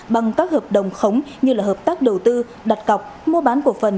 bằng các hợp đồng khống như hợp tác đầu tư đặt cọc mua bán cổ phần